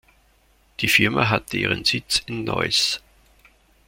Die Firma hatte ihren Sitz in Neuss.